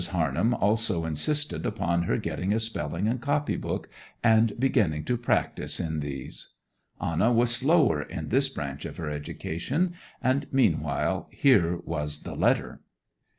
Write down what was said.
Harnham also insisted upon her getting a spelling and copy book, and beginning to practise in these. Anna was slower in this branch of her education, and meanwhile here was the letter.